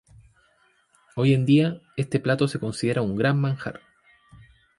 Hoy en día, este plato se considera un gran manjar.